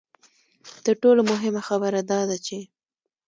تر ټولو مهمه خبره دا ده چې.